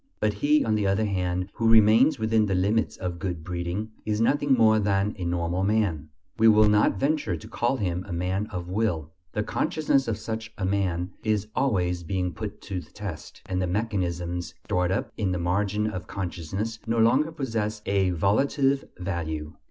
But he, on the other hand, who remains within the limits of good breeding, is nothing more than a normal man. We will not venture to call him "a man of will"; the consciousness of such a man is always being put to the test, and the mechanisms stored up in the margin of consciousness no longer possess a "volitive value."